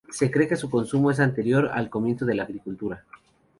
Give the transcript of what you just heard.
Se cree que su consumo es anterior al comienzo de la agricultura.